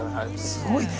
すごいね。